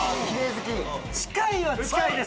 近いは近いです。